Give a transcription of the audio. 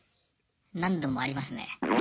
何度もありますね。